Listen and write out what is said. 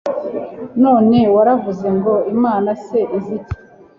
none waravuze ngo 'imana se izi iki